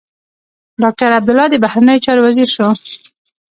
ډاکټر عبدالله د بهرنيو چارو وزیر شو.